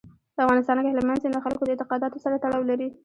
په افغانستان کې هلمند سیند د خلکو د اعتقاداتو سره تړاو لري.